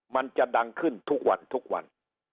มันจะดังขึ้นทุกวันทุกวัน